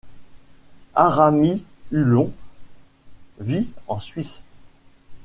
Arami Ullón vit en Suisse.